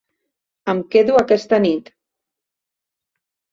Em quedo aquesta nit.